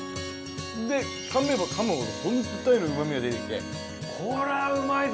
でかめばかむほどホントタイのうまみが出てきて。